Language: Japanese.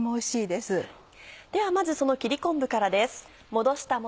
ではまずその切り昆布からです。